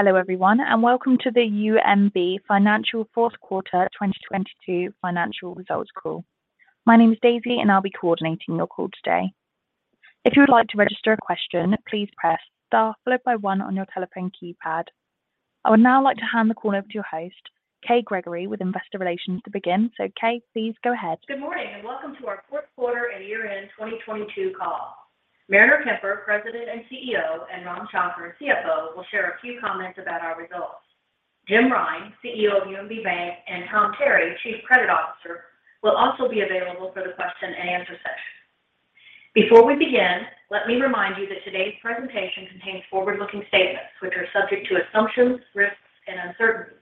Hello everyone, welcome to the UMB Financial fourth quarter 2022 financial results call. My name is Daisy, I'll be coordinating your call today. If you would like to register a question, please press star followed by one on your telephone keypad. I would now like to hand the call over to your host, Kay Gregory, with Investor Relations to begin. Kay, please go ahead. Good morning, welcome to our fourth quarter and year-end 2022 call. Mariner Kemper, President and CEO, and Ram Shankar, CFO, will share a few comments about our results. Jim Rine, CEO of UMB Bank, and Tom Terry, Chief Credit Officer, will also be available for the question and answer session. Before we begin, let me remind you that today's presentation contains forward-looking statements which are subject to assumptions, risks, and uncertainties.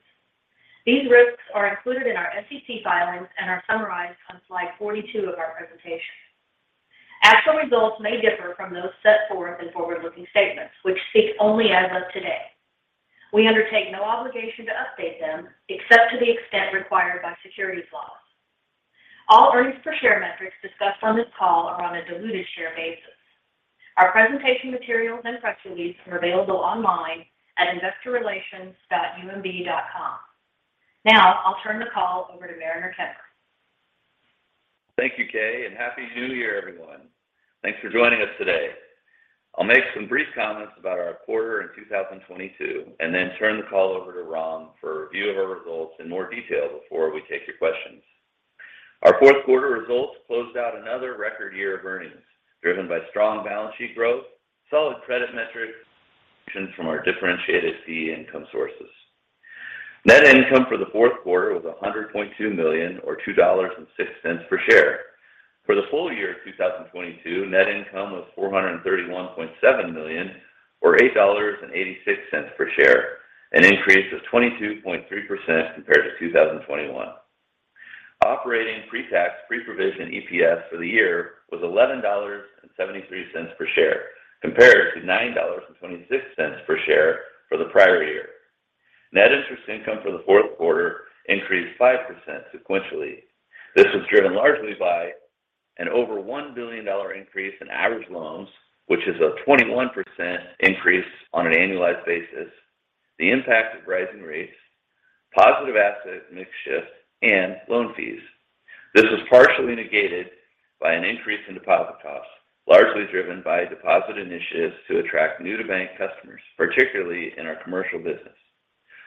These risks are included in our SEC filings and are summarized on slide 42 of our presentation. Actual results may differ from those set forth in forward-looking statements, which speak only as of today. We undertake no obligation to update them except to the extent required by securities laws. All earnings per share metrics discussed on this call are on a diluted share basis. Our presentation materials and press release are available online at investorrelations.umb.com. Now, I'll turn the call over to Mariner Kemper. Thank you, Kay. Happy New Year, everyone. Thanks for joining us today. I'll make some brief comments about our quarter in 2022 and then turn the call over to Ram for a review of our results in more detail before we take your questions. Our fourth quarter results closed out another record year of earnings, driven by strong balance sheet growth, solid credit metrics, and strong contributions from our differentiated fee income sources. Net income for the fourth quarter was $100.2 million or $2.06 per share. For the full year of 2022, net income was $431.7 million or $8.86 per share, an increase of 22.3% compared to 2021. Operating pre-tax, pre-provision EPS for the year was $11.73 per share, compared to $9.26 per share for the prior year. Net interest income for the fourth quarter increased 5% sequentially. This was driven largely by an over $1 billion increase in average loans, which is a 21% increase on an annualized basis. The impact of rising rates, positive asset mix shift, and loan fees. This was partially negated by an increase in deposit costs, largely driven by deposit initiatives to attract new-to-bank customers, particularly in our commercial business.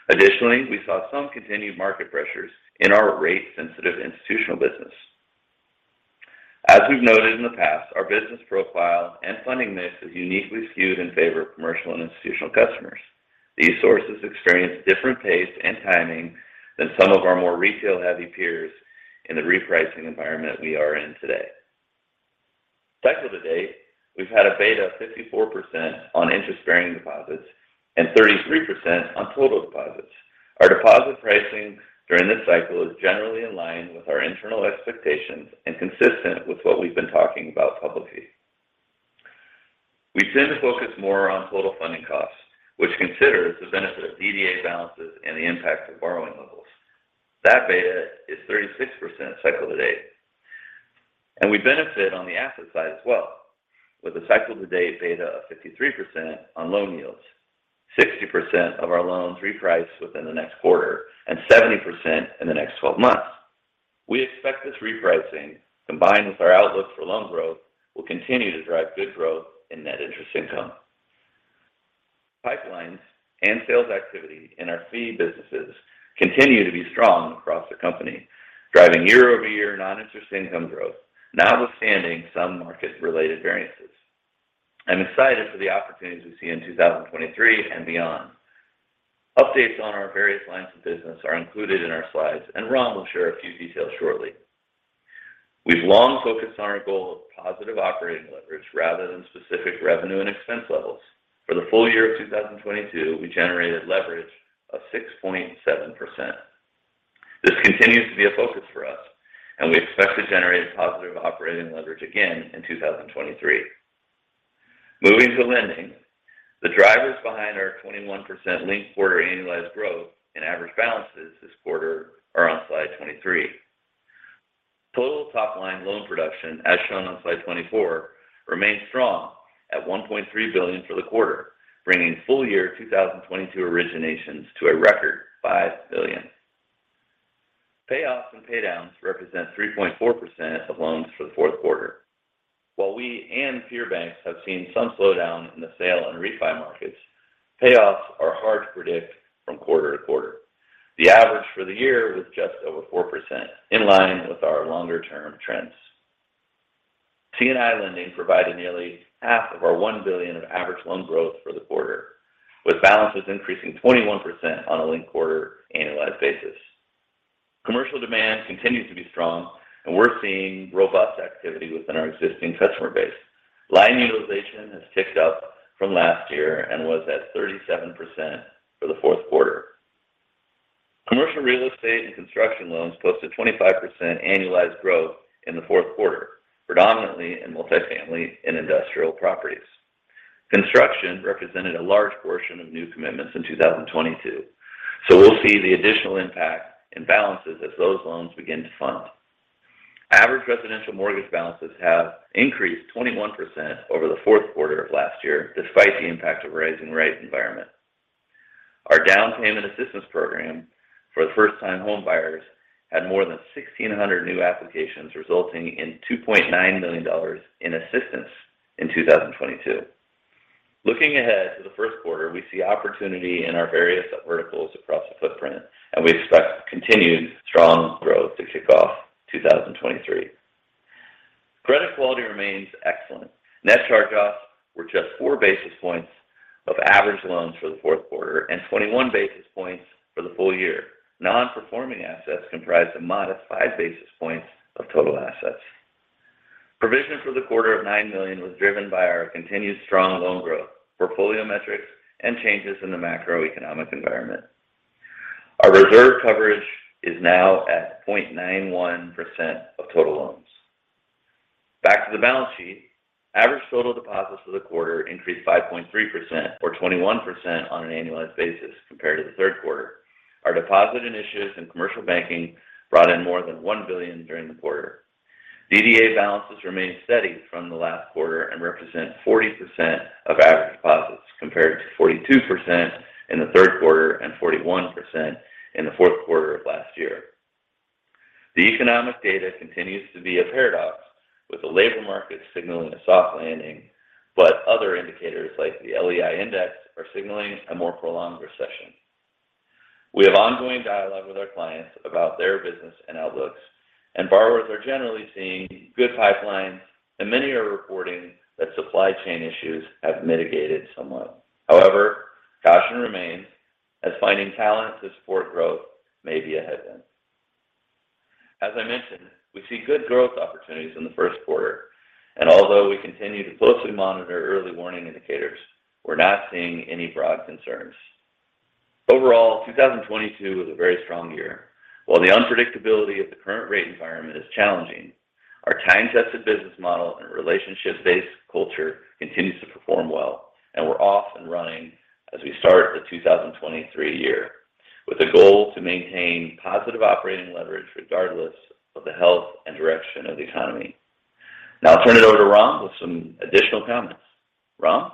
Additionally, we saw some continued market pressures in our rate-sensitive institutional business. As we've noted in the past, our business profile and funding mix is uniquely skewed in favor of commercial and institutional customers. These sources experience different pace and timing than some of our more retail-heavy peers in the repricing environment we are in today. Cycle to date, we've had a beta of 54% on interest-bearing deposits and 33% on total deposits. Our deposit pricing during this cycle is generally in line with our internal expectations and consistent with what we've been talking about publicly. We tend to focus more on total funding costs, which considers the benefit of DDA balances and the impact of borrowing levels. That beta is 36% cycle to date. We benefit on the asset side as well, with a cycle to date beta of 53% on loan yields, 60% of our loans reprice within the next quarter, and 70% in the next 12 months. We expect this repricing, combined with our outlook for loan growth, will continue to drive good growth in net interest income. Pipelines and sales activity in our fee businesses continue to be strong across the company, driving year-over-year non-interest income growth, notwithstanding some market-related variances. I'm excited for the opportunities we see in 2023 and beyond. Updates on our various lines of business are included in our slides, and Ram will share a few details shortly. We've long focused on our goal of positive operating leverage rather than specific revenue and expense levels. For the full year of 2022, we generated leverage of 6.7%. This continues to be a focus for us, and we expect to generate positive operating leverage again in 2023. Moving to lending, the drivers behind our 21% linked quarter annualized growth in average balances this quarter are on slide 23. Total top line loan production, as shown on slide 24, remains strong at $1.3 billion for the quarter, bringing full year 2022 originations to a record $5 billion. Payoffs and paydowns represent 3.4% of loans for the fourth quarter. While we and peer banks have seen some slowdown in the sale and refi markets, payoffs are hard to predict from quarter to quarter. The average for the year was just over 4%, in line with our longer-term trends. C&I lending provided nearly half of our $1 billion of average loan growth for the quarter, with balances increasing 21% on a linked quarter annualized basis. Commercial demand continues to be strong. We're seeing robust activity within our existing customer base. Line utilization has ticked up from last year and was at 37% for the fourth quarter. Commercial real estate and construction loans posted 25% annualized growth in the fourth quarter, predominantly in multifamily and industrial properties. Construction represented a large portion of new commitments in 2022, so we'll see the additional impact in balances as those loans begin to fund. Average residential mortgage balances have increased 21% over the fourth quarter of last year, despite the impact of rising rate environment. Our down payment assistance program for first-time home buyers had more than 1,600 new applications, resulting in $2.9 million in assistance in 2022. Looking ahead to the first quarter, we see opportunity in our various verticals across the footprint. We expect continued strong growth to kick off 2023. Credit quality remains excellent. Net charge-offs were just 4 basis points of average loans for the fourth quarter and 21 basis points for the full year. Non-performing assets comprised a modest 5 basis points of total assets. Provisions for the quarter of $9 million was driven by our continued strong loan growth, portfolio metrics and changes in the macroeconomic environment. Our reserve coverage is now at 0.91% of total loans. Back to the balance sheet. Average total deposits for the quarter increased 5.3% or 21% on an annualized basis compared to the third quarter. Our deposit initiatives in commercial banking brought in more than $1 billion during the quarter. DDA balances remained steady from the last quarter and represent 40% of average deposits, compared to 42% in the third quarter and 41% in the fourth quarter of last year. The economic data continues to be a paradox, with the labor market signaling a soft landing. Other indicators like the LEI index are signaling a more prolonged recession. We have ongoing dialogue with our clients about their business and outlooks, and borrowers are generally seeing good pipelines, and many are reporting that supply chain issues have mitigated somewhat. However, caution remains as finding talent to support growth may be a headwind. As I mentioned, we see good growth opportunities in the first quarter, and although we continue to closely monitor early warning indicators, we're not seeing any broad concerns. Overall, 2022 was a very strong year. While the unpredictability of the current rate environment is challenging, our time-tested business model and relationship-based culture continues to perform well. We're off and running as we start the 2023 year with a goal to maintain positive operating leverage regardless of the health and direction of the economy. Now I'll turn it over to Ram with some additional comments. Ram?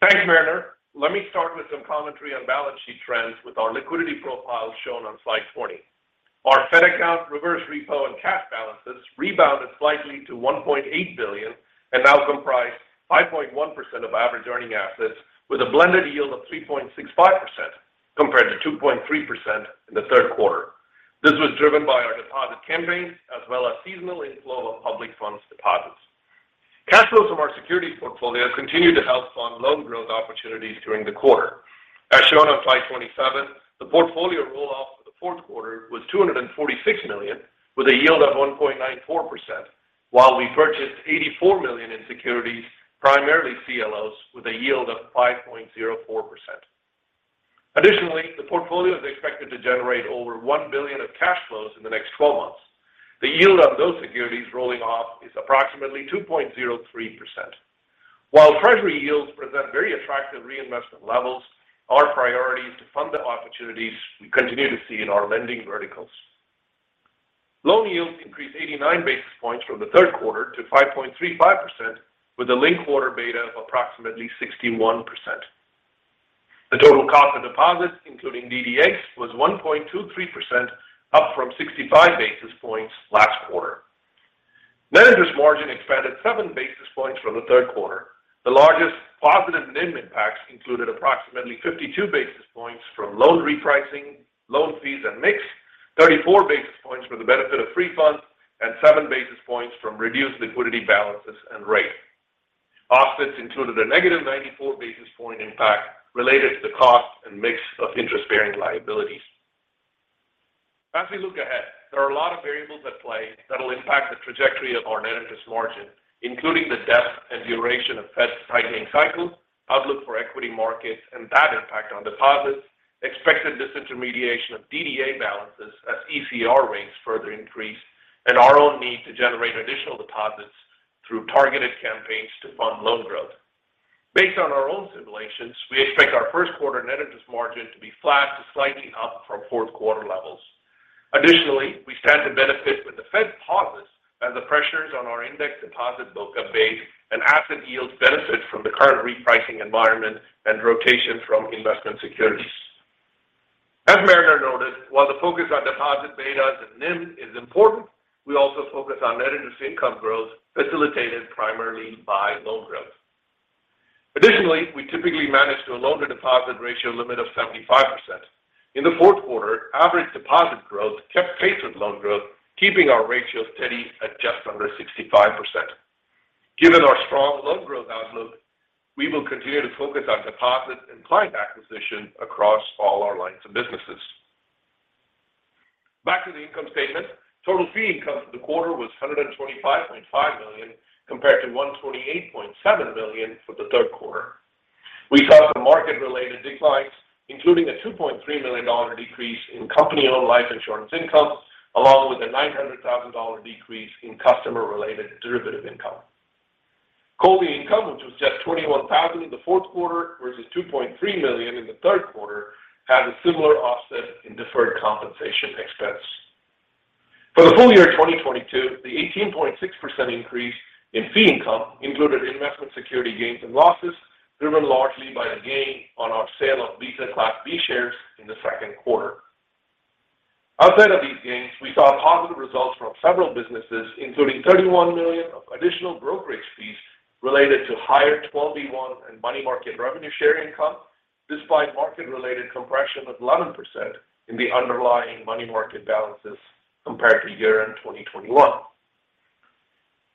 Thanks, Mariner. Let me start with some commentary on balance sheet trends with our liquidity profile shown on slide 20. Our Fed account reverse repo and cash balances rebounded slightly to $1.8 billion and now comprise 5.1% of average earning assets with a blended yield of 3.65% compared to 2.3% in the third quarter. This was driven by our deposit campaigns as well as seasonal inflow of public funds deposits. Cash flows from our securities portfolio continued to help fund loan growth opportunities during the quarter. As shown on slide 27, the portfolio roll off for the fourth quarter was $246 million, with a yield of 1.94%. While we purchased $84 million in securities, primarily CLOs, with a yield of 5.04%. Additionally, the portfolio is expected to generate over $1 billion of cash flows in the next 12 months. The yield on those securities rolling off is approximately 2.03%. While treasury yields present very attractive reinvestment levels, our priority is to fund the opportunities we continue to see in our lending verticals. Loan yields increased 89 basis points from the third quarter to 5.35%, with a linked quarter beta of approximately 61%. The total cost of deposits, including DDAs, was 1.23%, up from 65 basis points last quarter. Net interest margin expanded 7 basis points from the third quarter. The largest positive NIM impacts included approximately 52 basis points from loan repricing, loan fees and mix, 34 basis points for the benefit of free funds, and 7 basis points from reduced liquidity balances and rate. Offsets included a negative 94 basis point impact related to the cost and mix of interest-bearing liabilities. As we look ahead, there are a lot of variables at play that will impact the trajectory of our net interest margin, including the depth and duration of Fed's tightening cycle, outlook for equity markets and that impact on deposits, expected disintermediation of DDA balances as ECR rates further increase, and our own need to generate additional deposits through targeted campaigns to fund loan growth. Based on our own simulations, we expect our first quarter net interest margin to be flat to slightly up from fourth quarter levels. Additionally, we stand to benefit when the Fed pauses as the pressures on our index deposit book abate and asset yields benefit from the current repricing environment and rotation from investment securities. As Mariner noted, while the focus on deposit betas and NIM is important, we also focus on net interest income growth facilitated primarily by loan growth. Additionally, we typically manage to a loan-to-deposit ratio limit of 75%. In the fourth quarter, average deposit growth kept pace with loan growth, keeping our ratio steady at just under 65%. Given our strong loan growth outlook, we will continue to focus on deposit and client acquisition across all our lines of businesses. Back to the income statement. Total fee income for the quarter was $125.5 million, compared to $128.7 million for the third quarter. We saw some market-related declines, including a $2.3 million decrease in company-owned life insurance income, along with a $900,000 decrease in customer-related derivative income. COLI income, which was just $21,000 in the fourth quarter versus $2.3 million in the third quarter, had a similar offset in deferred compensation expense. For the full year 2022, the 18.6% increase in fee income included investment security gains and losses, driven largely by a gain on our sale of Visa Class B shares in the second quarter. Outside of these gains, we saw positive results from several businesses, including $31 million of additional brokerage fees related to higher 12b-1 and money market revenue share income, despite market-related compression of 11% in the underlying money market balances compared to year-end 2021.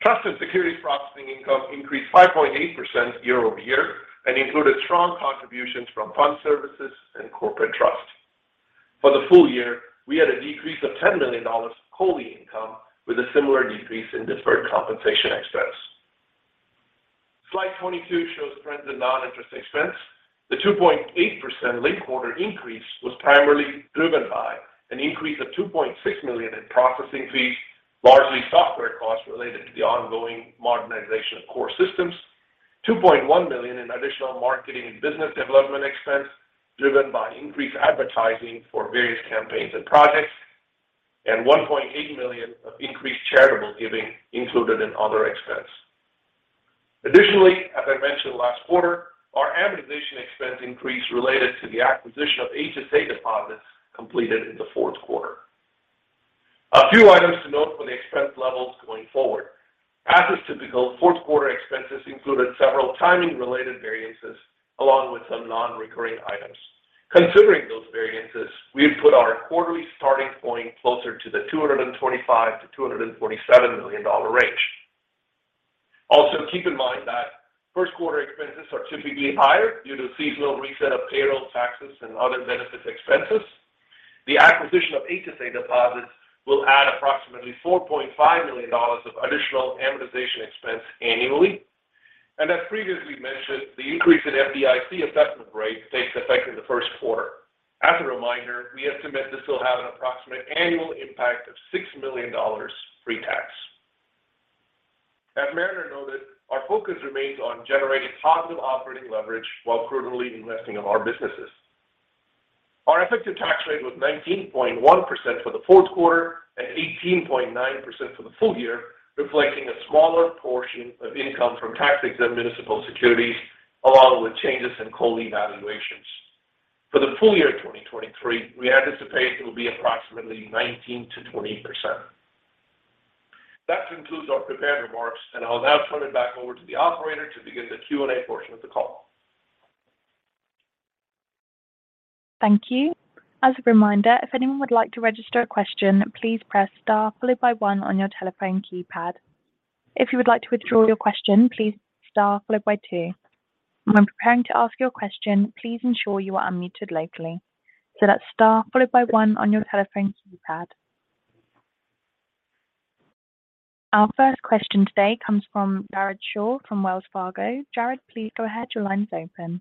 Trust and security processing income increased 5.8% year-over-year and included strong contributions from fund services and corporate trust. For the full year, we had a decrease of $10 million COLI income with a similar decrease in deferred compensation expense. Slide 22 shows trends in non-interest expense. The 2.8% linked quarter increase was primarily driven by an increase of $2.6 million in processing fees, largely software costs related to the ongoing modernization of core systems. $2.1 million in additional marketing and business development expense driven by increased advertising for various campaigns and projects. $1.8 million of increased charitable giving included in other expense. Additionally, as I mentioned last quarter, our amortization expense increase related to the acquisition of HSA deposits completed in the fourth quarter. A few items to note for the expense levels going forward. As is typical, fourth quarter expenses included several timing-related variances along with some non-recurring items. Considering those variances, we'd put our quarterly starting point closer to the $225 million-$247 million range. Also, keep in mind that first quarter expenses are typically higher due to a seasonal reset of payroll taxes and other benefits expenses. The acquisition of HSA deposits will add approximately $4.5 million of additional amortization expense annually. As previously mentioned, the increase in FDIC assessment rate takes effect in the first quarter. As a reminder, we estimate this will have an approximate annual impact of $6 million pre-tax. As Mariner noted, our focus remains on generating positive operating leverage while prudently investing in our businesses. Our effective tax rate was 19.1% for the fourth quarter and 18.9% for the full year, reflecting a smaller portion of income from tax-exempt municipal securities, along with changes in COLI valuations. For the full year 2023, we anticipate it'll be approximately 19%-20%. That concludes our prepared remarks. I'll now turn it back over to the operator to begin the Q&A portion of the call. Thank you. As a reminder, if anyone would like to register a question, please press star followed by one on your telephone keypad. If you would like to withdraw your question, please star followed by two. When preparing to ask your question, please ensure you are unmuted locally. That's star followed by one on your telephone keypad. Our first question today comes from Jared Shaw from Wells Fargo. Jared, please go ahead. Your line's open.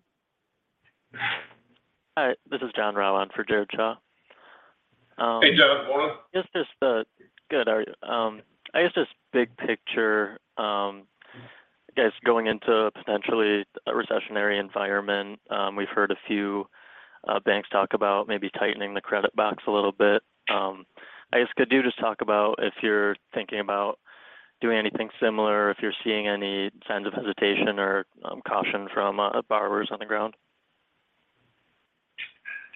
Hi, this is [John Ralan] for Jared Shaw. Hey, John. Morning. Just this... Good. How are you? I guess just big picture, I guess going into potentially a recessionary environment, we've heard a few banks talk about maybe tightening the credit box a little bit. I guess could you just talk about if you're thinking about doing anything similar or if you're seeing any signs of hesitation or caution from borrowers on the ground?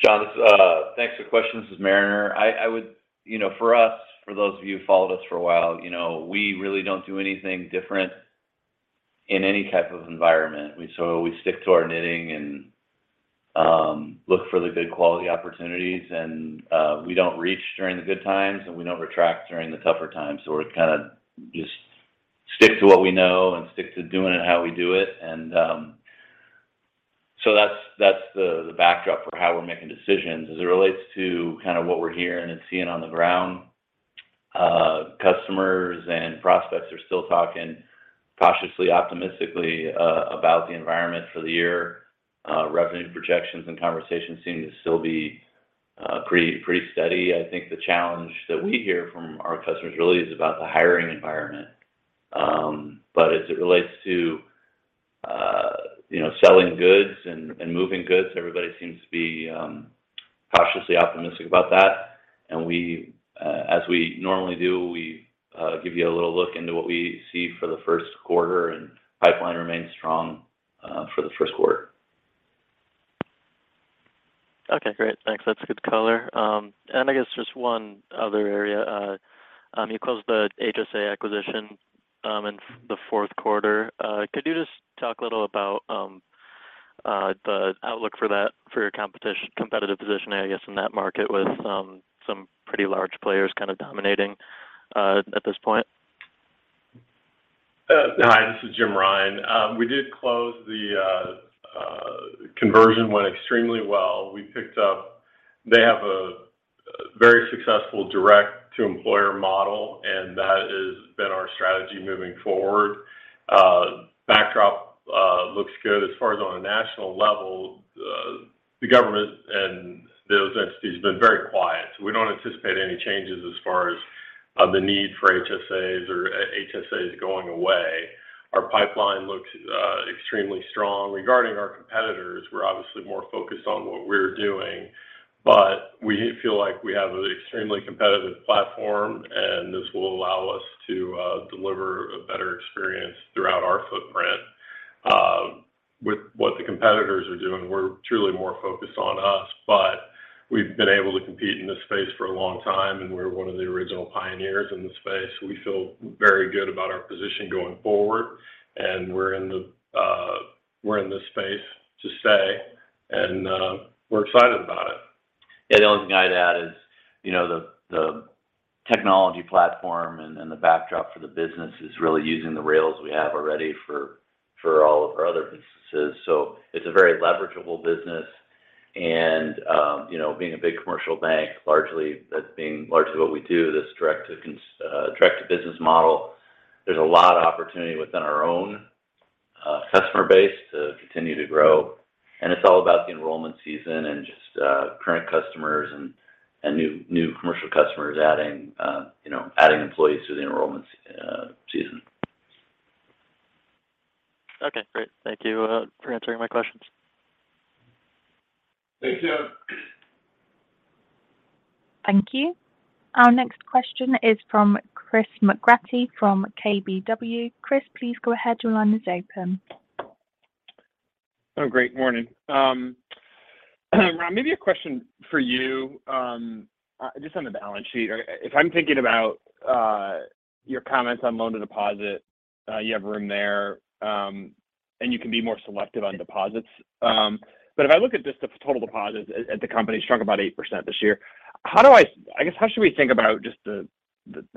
John, this is. Thanks for the question. This is Mariner. I would. You know, for us, for those of you who followed us for a while, you know, we really don't do anything different in any type of environment. We stick to our knitting and look for the good quality opportunities and we don't reach during the good times, and we don't retract during the tougher times. We're kind of just stick to what we know and stick to doing it how we do it. That's the backdrop for how we're making decisions. As it relates to kind of what we're hearing and seeing on the ground, customers and prospects are still talking cautiously, optimistically about the environment for the year. Revenue projections and conversations seem to still be pretty steady. I think the challenge that we hear from our customers really is about the hiring environment. As it relates to, you know, selling goods and moving goods, everybody seems to be cautiously optimistic about that. We, as we normally do, we give you a little look into what we see for the first quarter, and pipeline remains strong, for the first quarter. Okay, great. Thanks. That's good color. I guess just one other area. You closed the HSA acquisition in the fourth quarter. Could you just talk a little about the outlook for that for your competitive position, I guess, in that market with some pretty large players kind of dominating at this point? Hi, this is Jim Rine. We did close. The conversion went extremely well. They have a very successful direct-to-employer model, and that has been our strategy moving forward. Backdrop looks good as far as on a national level, the government and those entities have been very quiet. We don't anticipate any changes as far as the need for HSAs or HSAs going away. Our pipeline looks extremely strong. Regarding our competitors, we're obviously more focused on what we're doing. We feel like we have an extremely competitive platform, and this will allow us to deliver a better experience throughout our footprint. With what the competitors are doing, we're truly more focused on us. We've been able to compete in this space for a long time, and we're one of the original pioneers in the space. We feel very good about our position going forward, and we're in this space to stay, and, we're excited about it. Yeah. The only thing I'd add is, you know, the technology platform and the backdrop for the business is really using the rails we have already for all of our other businesses. It's a very leverageable business and, you know, being a big commercial bank, largely what we do, this direct to business model. There's a lot of opportunity within our own customer base to continue to grow. It's all about the enrollment season and just current customers and new commercial customers adding, you know, adding employees through the enrollment season. Okay. Great. Thank you, for answering my questions. Thank you. Thank you. Our next question is from Chris McGratty from KBW. Chris, please go ahead. Your line is open. Great morning. Ram, maybe a question for you, just on the balance sheet. If I'm thinking about your comments on loan to deposit, you have room there, and you can be more selective on deposits. If I look at just the total deposits at the company, shrunk about 8% this year, I guess how should we think about just the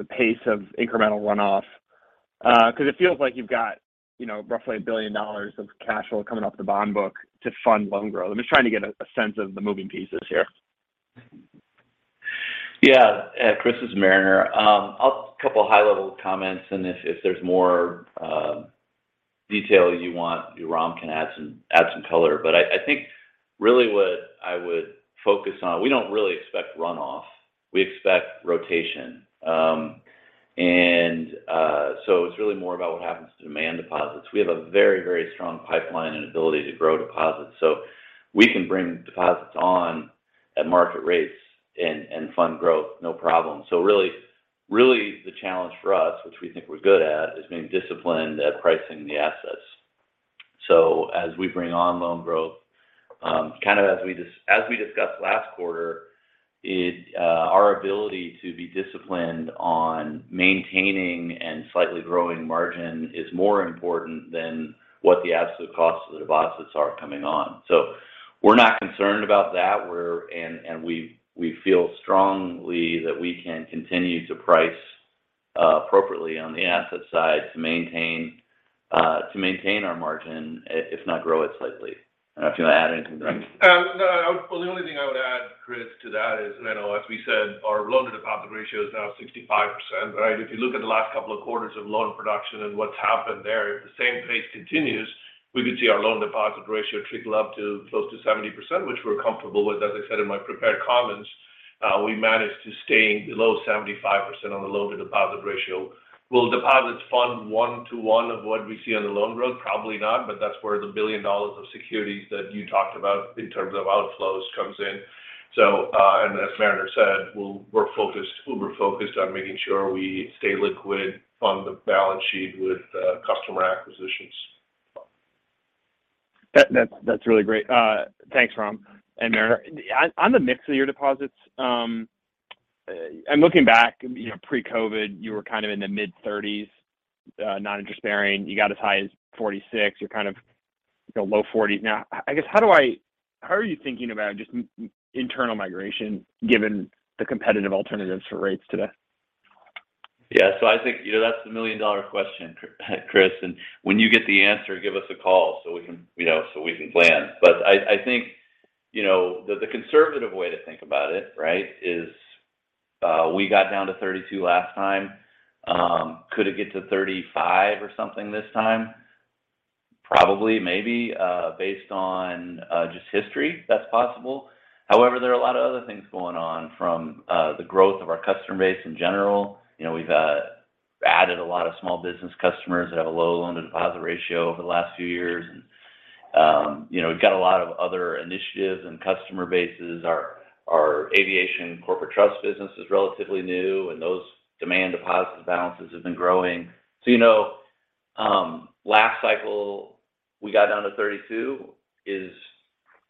pace of incremental runoff? 'Cause it feels like you've got, you know, roughly $1 billion of cash flow coming off the bond book to fund loan growth. I'm just trying to get a sense of the moving pieces here. Yeah. Chris, this is Mariner. couple high-level comments, and if there's more detail you want, Ram can add some color. I think really what I would focus on, we don't really expect runoff. We expect rotation. It's really more about what happens to demand deposits. We have a very strong pipeline and ability to grow deposits, we can bring deposits on at market rates and fund growth, no problem. really the challenge for us, which we think we're good at, is being disciplined at pricing the assets. as we bring on loan growth, kind of as we discussed last quarter, our ability to be disciplined on maintaining and slightly growing margin is more important than what the absolute costs of the deposits are coming on. We're not concerned about that. We feel strongly that we can continue to price appropriately on the asset side to maintain our margin, if not grow it slightly. I don't know if you want to add anything to that. No. Well, the only thing I would add, Chris, to that is, you know, as we said, our loan to deposit ratio is now 65%, right? If you look at the last couple of quarters of loan production and what's happened there, if the same pace continues, we could see our loan deposit ratio trickle up to close to 70%, which we're comfortable with. As I said in my prepared comments, we managed to staying below 75% on the loan to deposit ratio. Will deposits fund one to one of what we see on the loan growth? Probably not, but that's where the $1 billion of securities that you talked about in terms of outflows comes in. As Mariner said, we're focused, uber focused on making sure we stay liquid on the balance sheet with customer acquisitions. That's really great. Thanks, Ram and Mariner. On the mix of your deposits, and looking back, you know, pre-COVID, you were kind of in the mid 30s, non-interest bearing. You got as high as 46%. You're kind of, you know, low 40% now. I guess, how are you thinking about just internal migration given the competitive alternatives for rates today? Yeah. I think, you know, that's the million-dollar question, Chris. When you get the answer, give us a call so we can, you know, so we can plan. I think, you know, the conservative way to think about it, right, is, we got down to 32% last time. Could it get to 35% or something this time? Probably, maybe. Based on just history, that's possible. However, there are a lot of other things going on from the growth of our customer base in general. You know, we've added a lot of small business customers that have a low loan to deposit ratio over the last few years. You know, we've got a lot of other initiatives and customer bases. Our aviation corporate trust business is relatively new, and those demand deposits balances have been growing. You know, last cycle we got down to 32%.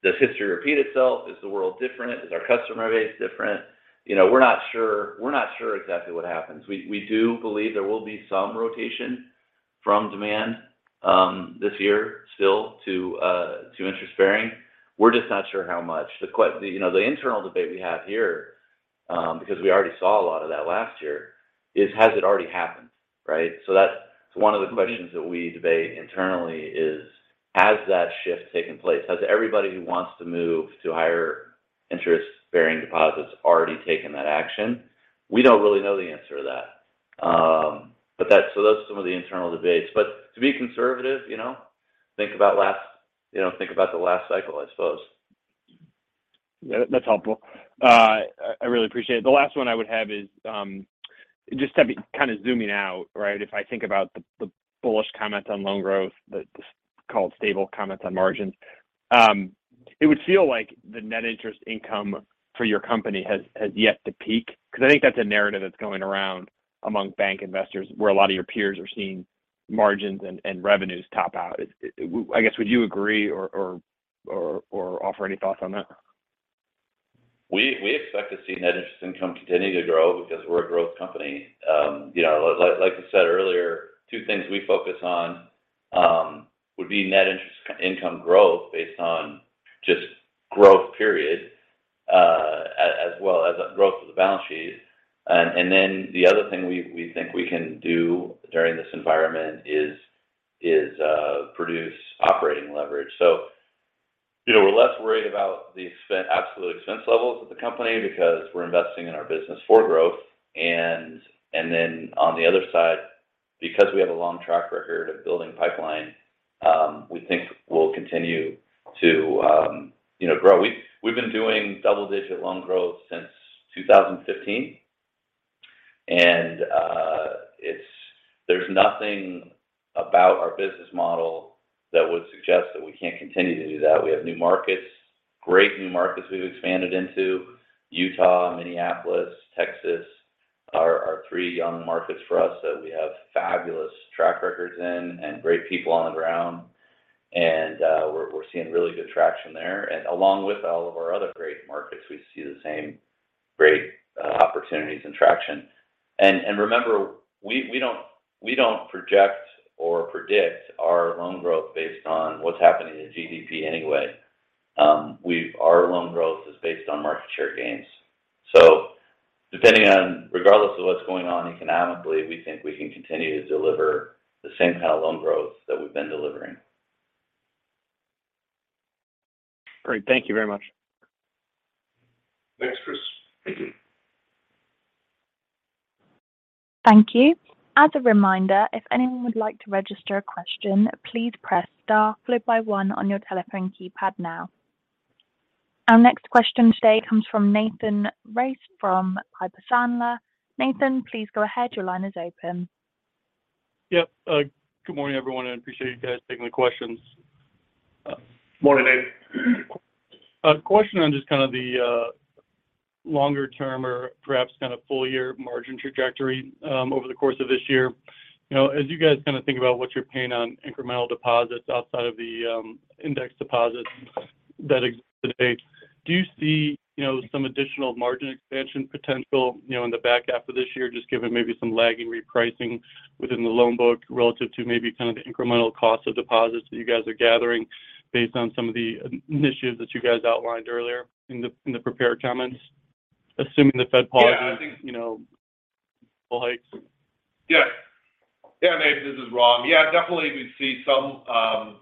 Does history repeat itself? Is the world different? Is our customer base different? You know, we're not sure. We're not sure exactly what happens. We do believe there will be some rotation from demand this year still to interest bearing. We're just not sure how much. You know, the internal debate we have here, because we already saw a lot of that last year, is has it already happened, right? That's one of the questions that we debate internally is, has that shift taken place? Has everybody who wants to move to higher interest bearing deposits already taken that action? We don't really know the answer to that. That's some of the internal debates. To be conservative, you know, think about last, you know, think about the last cycle, I suppose. That's helpful. I really appreciate it. The last one I would have is, kind of zooming out, right? If I think about the bullish comments on loan growth, the called stable comments on margins. It would feel like the net interest income for your company has yet to peak because I think that's a narrative that's going around among bank investors where a lot of your peers are seeing margins and revenues top out. I guess, would you agree or offer any thoughts on that? We expect to see net interest income continue to grow because we're a growth company. You know, like you said earlier, two things we focus on would be net interest income growth based on just growth period, as well as growth of the balance sheet. Then the other thing we think we can do during this environment is produce operating leverage. You know, we're less worried about the absolute expense levels of the company because we're investing in our business for growth. Then on the other side, because we have a long track record of building pipeline, we think we'll continue to, you know, grow. We've been doing double-digit loan growth since 2015. There's nothing about our business model that would suggest that we can't continue to do that. We have new markets, great new markets we've expanded into. Utah, Minneapolis, Texas are our three young markets for us that we have fabulous track records in and great people on the ground. We're seeing really good traction there. Along with all of our other great markets, we see the same great opportunities and traction. Remember, we don't project or predict our loan growth based on what's happening to GDP anyway. Our loan growth is based on market share gains. Regardless of what's going on economically, we think we can continue to deliver the same kind of loan growth that we've been delivering. Great. Thank you very much. Thanks, Chris. Thank you. As a reminder, if anyone would like to register a question, please press star followed by one on your telephone keypad now. Our next question today comes from Nathan Race from Piper Sandler. Nathan, please go ahead. Your line is open. Yep. good morning, everyone. I appreciate you guys taking the questions. Morning, Nathan. A question on just kind of the longer term or perhaps kind of full year margin trajectory over the course of this year. You know, as you guys kind of think about what you're paying on incremental deposits outside of the index deposits that exist today, do you see, you know, some additional margin expansion potential, you know, in the back half of this year, just given maybe some lagging repricing within the loan book relative to maybe kind of the incremental cost of deposits that you guys are gathering based on some of the initiatives that you guys outlined earlier in the prepared comments, assuming the Fed pauses? Yeah, I think- You know, full hikes. Yeah. Yeah, Nathan, this is Ram. Yeah, definitely we see some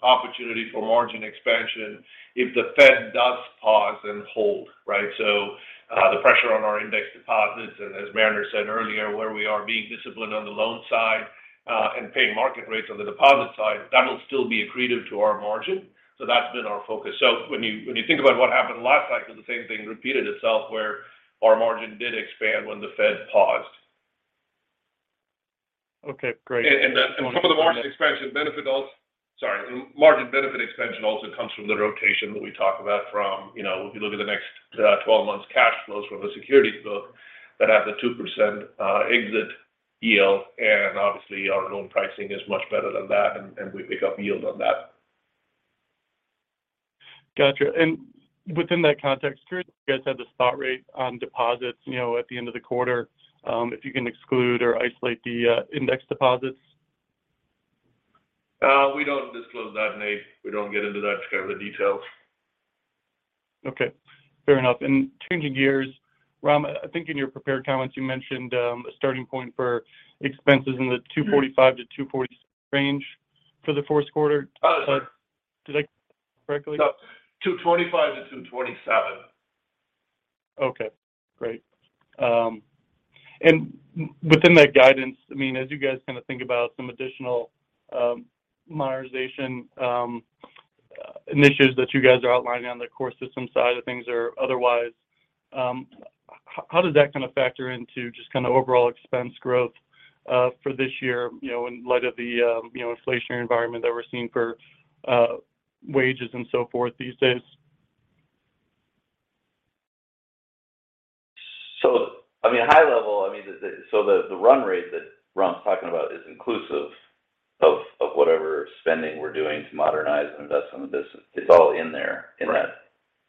opportunity for margin expansion if the Fed does pause and hold, right? The pressure on our index deposits, and as Mariner said earlier, where we are being disciplined on the loan side, and paying market rates on the deposit side, that'll still be accretive to our margin. That's been our focus. When you, when you think about what happened last cycle, the same thing repeated itself where our margin did expand when the Fed paused. Okay, great. Some of the margin benefit expansion also comes from the rotation that we talk about from, you know, if you look at the next, 12 months cash flows from a securities book that has a 2% exit yield, and obviously our loan pricing is much better than that, and we pick up yield on that. Gotcha. Within that context, curious if you guys have the spot rate on deposits, you know, at the end of the quarter, if you can exclude or isolate the index deposits? We don't disclose that, Nate. We don't get into that kind of the details. Okay, fair enough. Changing gears, Ram, I think in your prepared comments you mentioned a starting point for expenses in the $245 million-$246 million range for the fourth quarter. Oh, sorry. Did I correctly? $225 million-$227 million. Okay, great. Within that guidance, I mean, as you guys kind of think about some additional modernization initiatives that you guys are outlining on the core system side of things or otherwise, how does that kind of factor into just kind of overall expense growth for this year, you know, in light of the, you know, inflationary environment that we're seeing for wages and so forth these days? I mean, high level, I mean, the run rate that Ram's talking about is inclusive of whatever spending we're doing to modernize and invest in the business. It's all in there. Right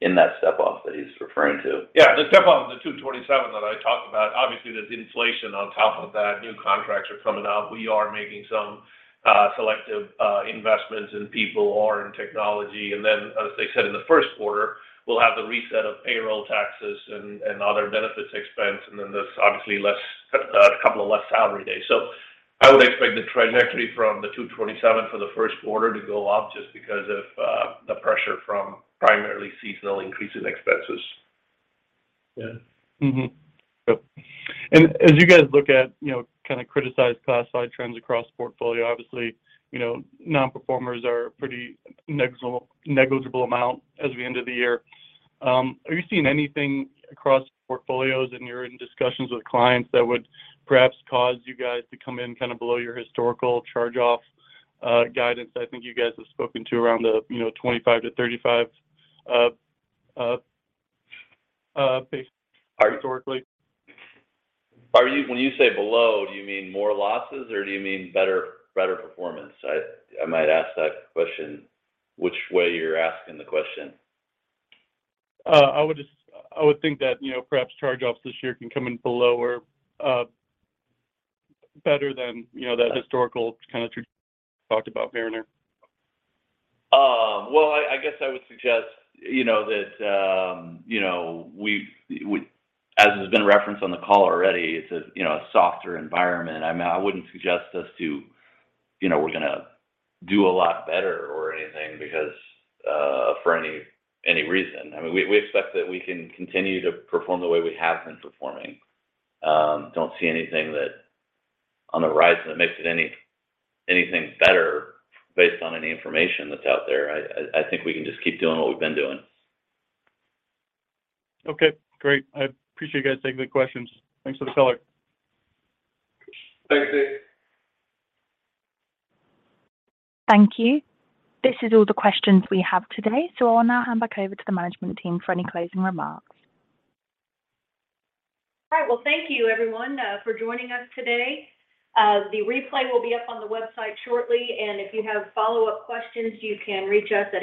In that step up that he's referring to. Yeah. The step up, the $227 million that I talked about, obviously there's inflation on top of that. New contracts are coming out. We are making some selective investments in people or in technology. As they said in the first quarter, we'll have the reset of payroll taxes and other benefits expense. There's obviously less, a couple of less salary days. I would expect the trajectory from the $227 million for the first quarter to go up just because of the pressure from primarily seasonal increase in expenses. Yeah. As you guys look at, you know, kinda criticized classified trends across the portfolio, obviously, you know, non-performers are pretty negligible amount as we end of the year. Are you seeing anything across portfolios and you're in discussions with clients that would perhaps cause you guys to come in kind of below your historical charge-off guidance I think you guys have spoken to around the, you know, $25 million-$35 million historically? When you say below, do you mean more losses or do you mean better performance? I might ask that question which way you're asking the question? I would think that, you know, perhaps charge-offs this year can come in below or better than, you know, that historical kind of talked about Mariner. Well, I guess I would suggest, you know, that, you know, we as has been referenced on the call already, it's a, you know, a softer environment. I mean, I wouldn't suggest us to, you know, we're gonna do a lot better or anything because for any reason. I mean, we expect that we can continue to perform the way we have been performing. Don't see anything that on the rise that makes it anything better based on any information that's out there. I think we can just keep doing what we've been doing. Okay, great. I appreciate you guys taking the questions. Thanks for the color. Thanks, Nate. Thank you. This is all the questions we have today. I'll now hand back over to the management team for any closing remarks. All right. Well, thank you everyone, for joining us today. The replay will be up on the website shortly, and if you have follow-up questions, you can reach us at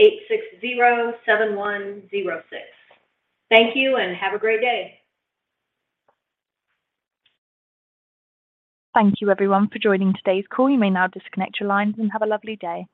816-860-7106. Thank you and have a great day. Thank you everyone for joining today's call. You may now disconnect your lines and have a lovely day.